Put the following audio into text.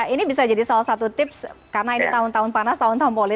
ini bisa jadi salah satu tips karena ini tahun tahun panas tahun tahun politik